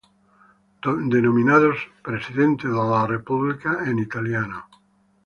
Denominados "presidente della Repubblica", en italiano.